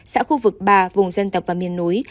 xã khu vực ba vùng dân tộc và miền núi